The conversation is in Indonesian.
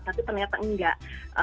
tapi ternyata enggak